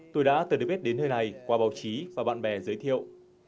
tôi đã từng được biết đến nơi này qua báo chí và bạn bè giới thiệu